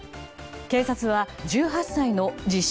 警察は１８歳の自称